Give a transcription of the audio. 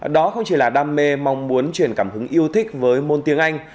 đó không chỉ là đam mê mong muốn truyền cảm hứng yêu thích với môn tiếng anh